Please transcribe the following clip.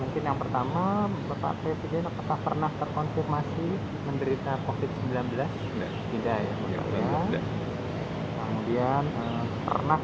terdiri dari vaksin dari sinovac